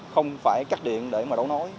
không phải cắt điện để mà đấu nối